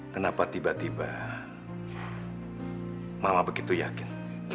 kenapa tiba tiba mama begitu yakin